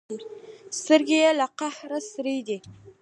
سترګې یې له قهره سرې دي.